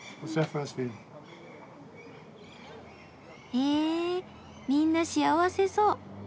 へぇみんな幸せそう。